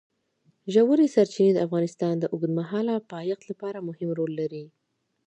ژورې سرچینې د افغانستان د اوږدمهاله پایښت لپاره مهم رول لري.